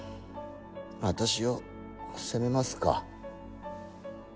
私を責めますか。